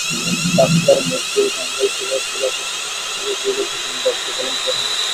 Doctor Maqbool Tangail জেলার জেলা প্রশাসক হিসেবে বিগত দিনে দায়িত্ব পালন করেন।